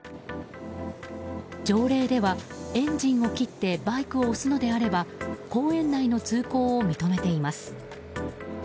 条例では、エンジンを切ってバイクを押すのであれば公園内の通行を認めています。